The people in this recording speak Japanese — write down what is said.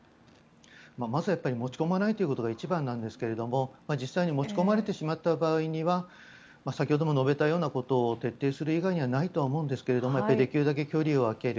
まず、持ち込まないということが一番なんですが実際に持ち込まれてしまった場合には先ほども述べたようなことを徹底する以外にはないと思うんですけれどもやっぱりできるだけ距離を空ける。